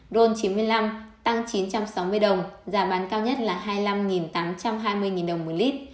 ron chín mươi năm tăng chín trăm sáu mươi đồng giá bán cao nhất là hai mươi năm tám trăm hai mươi đồng một lít